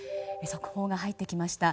速報が入ってきました。